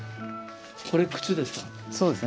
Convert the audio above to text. これ靴ですか？